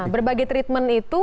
berbagai treatment itu